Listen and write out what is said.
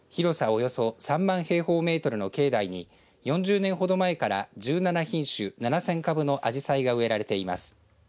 およそ３万平方メートルの境内に４０年ほど前から１７品種７０００株のあじさいが植えられています。